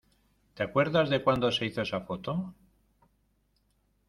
¿ te acuerdas de cuando se hizo esa foto?